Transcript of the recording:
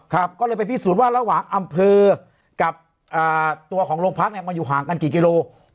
ก็เลยไปพิสูจน์ว่าระหว่างอำเภอกับตัวของโรงพักเนี่ยมันอยู่ห่างกันกี่กิโล